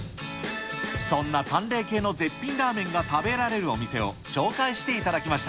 そんな淡麗系の絶品ラーメンが食べられるお店を紹介していただきました。